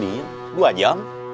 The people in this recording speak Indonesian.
kayak ini dua jam